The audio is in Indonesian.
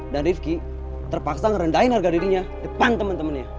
dan ripki terpaksa ngerendahin harga dirinya depan temen temennya